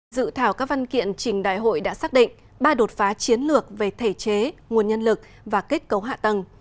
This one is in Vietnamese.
dự thảo các văn kiện trình đại hội đã xác định ba đột phá chiến lược về thể chế nguồn nhân lực và kết cấu hạ tầng